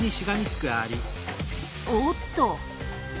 おっと！